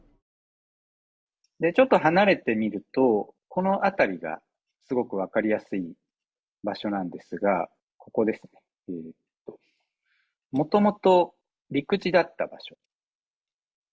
ちょっと離れて見るとこの辺りが分かりやすい場所なんですがここですね、もともと陸地だった場所。